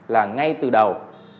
là ngay từ đầu